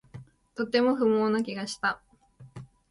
とても不毛な気がした